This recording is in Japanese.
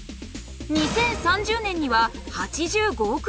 ２０３０年には８５億人。